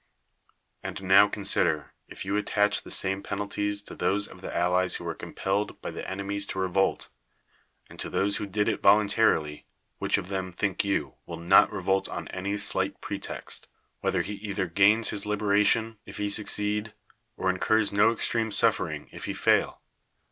And now consider; if you attach the same penalties to those of the allies who were com pelled by their enemies to revolt, and to those who did it voluntarily, which of them, think yoii, will not revolt on any slight pretext, whether he either gains his liberation, if he succeed, or incurs no extreme suffering, if he fail